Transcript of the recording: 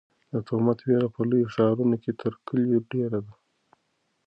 د تومت وېره په لویو ښارونو کې تر کلیو ډېره ده.